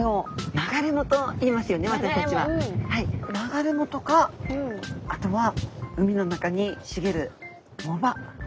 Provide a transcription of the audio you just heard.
流れ藻とかあとは海の中にしげる藻場。